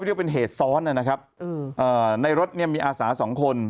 เรียกเป็นเหตุซ้อนนะครับในรถเนี่ยมีอาสาสองคน